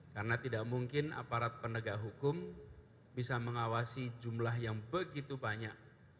karena tidak mungkin aparat penegak hukum bisa mengawasi jumlah yang begitu banyak